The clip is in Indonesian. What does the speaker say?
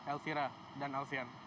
alfira dan alfian